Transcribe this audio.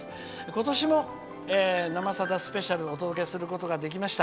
今年も「生さだスペシャル」をお届けすることができました。